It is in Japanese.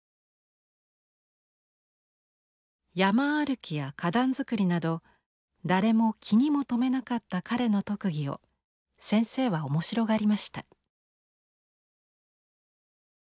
山歩きや花壇づくりなど誰も気にも留めなかった彼の特技を先生は面白がりました。